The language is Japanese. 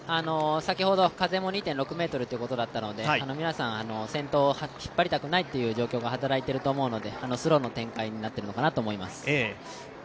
風も２．６メートルということだったので皆さん先頭を引っ張りたくないという状況が働いていると思うので、スローの展開になっていると思います。